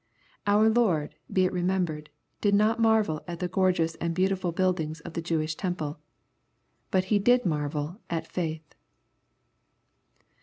Our Lord, be it remembered, did not marvel at the gorgeous and beautful buildings of the Jewish temple. But he did marvel at faith.